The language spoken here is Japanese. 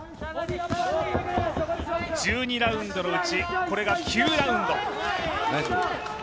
１２ラウンドのうち、これが９ラウンド。